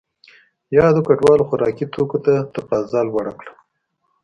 یادو کډوالو خوراکي توکو ته تقاضا لوړه کړه.